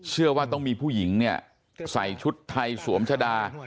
เชื่อว่าต้องมีผู้หญิงเนี่ยใส่ชุดไทยสวมชะดา